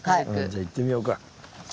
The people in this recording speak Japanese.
じゃあ行ってみようか。